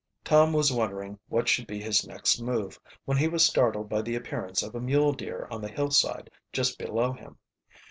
Tom was wondering what should be his next move when he was startled by the appearance of a mule deer on the hillside just below him.